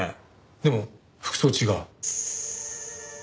でも服装違う。